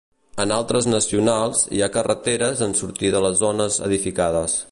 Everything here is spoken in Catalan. En altres nacionals, hi ha carreteres en sortir de les zones edificades.